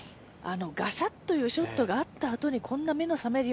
ガシャッというショットがあったあとにこんな目の覚める